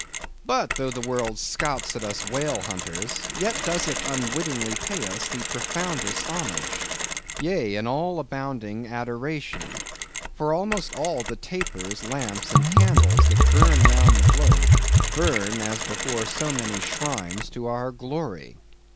But, though the world scouts at us whale hunters, yet does it unwittingly pay us the profoundest homage; yea, an all abounding adoration! for almost all the tapers, lamps, and candles that burn round the globe, burn, as before so many shrines, to our glory!